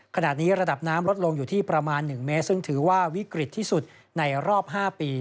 ขณะนี้ระดับน้ำลดลงอยู่ที่ประมาณ๑เมตรซึ่งถือว่าวิกฤตที่สุดในรอบ๕ปี